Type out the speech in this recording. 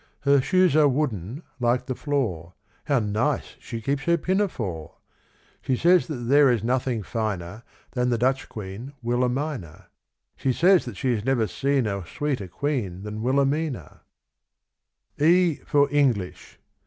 Her shoes are wooden, like the floor; How nice she keeps her pinafore! She says that there is nothing finer Than the Dutch Queen, Wilhelmina; She says that she has never seen a Sweeter Queen than Wilhelmina. E for English.